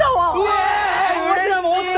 わしらもおった！